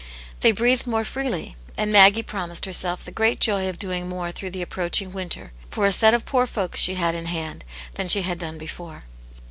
They breathed more freely, and Maggie promised herself the great , joy of doing more through the approaching winter, for a set of poor folks she had in hand, than she had done before.